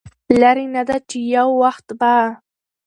لرې نه ده چې يو وخت به